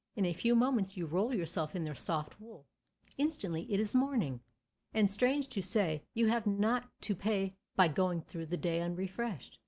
In a few moments you roll yourself in their soft wool. Instantly it is morning. And, strange to say, you have not to pay by going through the day unrefreshed.